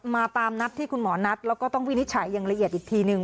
มาตามนัดที่คุณหมอนัดแล้วก็ต้องวินิจฉัยอย่างละเอียดอีกทีนึง